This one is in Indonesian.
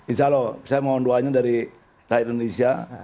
insya allah saya mohon doanya dari rakyat indonesia